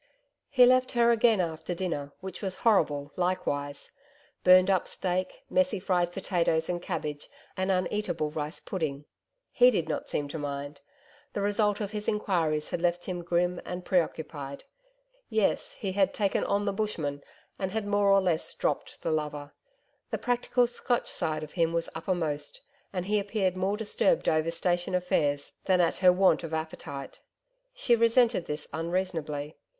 He left her again after dinner which was horrible likewise burned up steak, messy fried potatoes and cabbage, an uneatable rice pudding. He did not seem to mind. The result of his enquiries had left him grim and preoccupied. Yes, he had taken on the Bushman, and had more or less dropped the lover. The practical Scotch side of him was uppermost, and he appeared more disturbed over station affairs than at her want of appetite. She resented this unreasonably.